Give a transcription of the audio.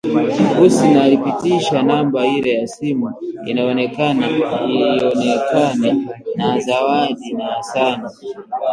Husna aliipitisha namba ile ya simu ionekane na Zawadi na Hassan